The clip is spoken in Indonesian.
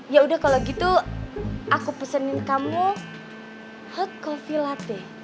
ya udah kalau gitu aku pesenin kamu hot coffee latte